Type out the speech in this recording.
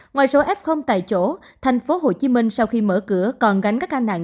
ngoài số f tại chỗ thành phố hồ chí minh sau khi mở cửa còn gánh các ca nặng